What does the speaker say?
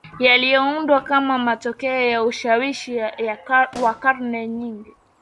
yaliundwa kama matokeo ya ushawishi wa karne nyingi